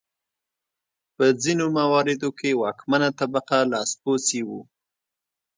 په ځینو مواردو کې واکمنه طبقه لاسپوڅي وو.